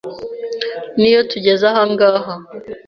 n’iyo tugeze aha ngaha